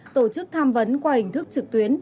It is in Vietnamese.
tổ chức tham vấn qua hình thức trực tuyến